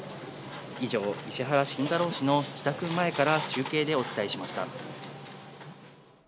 以上、石原慎太郎氏の自宅前から中継でお伝えしました。